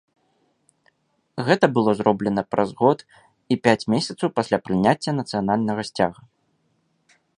Гэта было зроблена праз год і пяць месяцаў пасля прыняцця нацыянальнага сцяга.